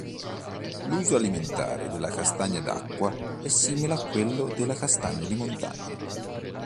L'uso alimentare della castagna d'acqua è simile a quello della castagna di montagna.